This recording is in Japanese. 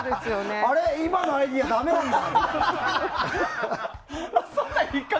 今のアイデアだめなんだとか。